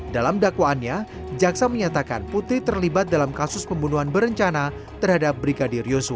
dalam dakwaannya jaksa menyatakan putri terlibat dalam kasus pembunuhan berencana terhadap brigadir yosua